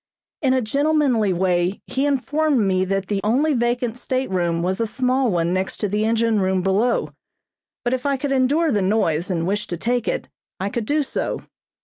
In a gentlemanly way he informed me that the only vacant stateroom was a small one next the engine room below, but if I could endure the noise and wished to take it, I could do so.